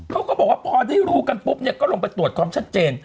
เขาก็บอกว่าพอได้รู้กันปุ๊บเนี่ยก็ลงไปตรวจความชัดเจน